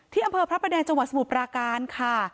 อำเภอพระประแดงจังหวัดสมุทรปราการค่ะ